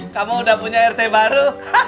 kamu udah punya rt baru